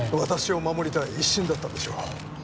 私を守りたい一心だったんでしょう。